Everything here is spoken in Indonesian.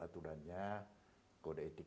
aturannya kode etik